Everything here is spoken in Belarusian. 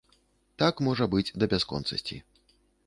Так можа быць да бясконцасці.